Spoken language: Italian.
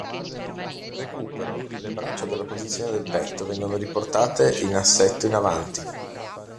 Recupero: le braccia, dalla posizione del petto, vengono riportate in assetto in avanti.